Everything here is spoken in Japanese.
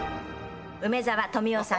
梅沢富美男さん